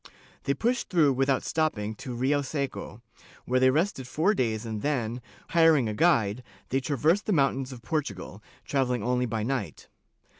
They pushed through without stopping to Rioseco, where they rested four days and then, hiring a guide, they traversed the mountains of Portugal, travel ling only by night.